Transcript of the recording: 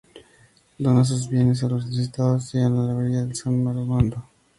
Dona sus bienes a los necesitados y a la abadía de San Amando.